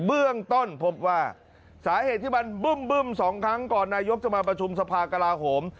เบื้องต้นพบว่าสาเหตุที่มันบึ้มสองครั้งก่อนนายกจะมาประชุมสภากลาโหม